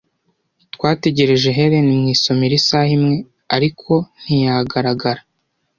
Twategereje Helen mu isomero isaha imwe, ariko ntiyagaragara.